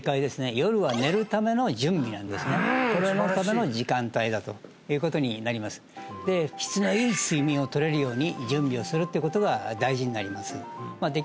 夜は寝るための準備なんですねこれのための時間帯だということになりますで質のいい睡眠を取れるように準備をするっていうことが大事になります